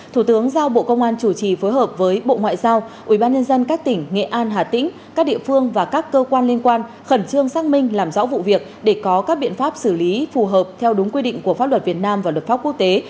thủ tướng giao bộ công an chủ trì phối hợp với bộ ngoại giao ubnd các tỉnh nghệ an hà tĩnh các địa phương và các cơ quan liên quan khẩn trương xác minh làm rõ vụ việc để có các biện pháp xử lý phù hợp theo đúng quy định của pháp luật việt nam và luật pháp quốc tế